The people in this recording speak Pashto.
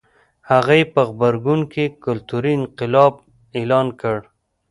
هغه یې په غبرګون کې کلتوري انقلاب اعلان کړ.